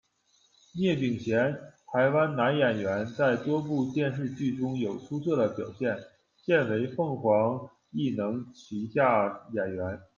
聂秉贤，台湾男演员，在多部电视剧中有出色的表现，现为凤凰艺能旗下演员。